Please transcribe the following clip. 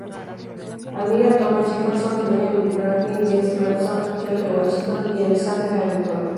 Admira a Thomas Jefferson, Benjamin Franklin, James Madison, George Washington y Alexander Hamilton.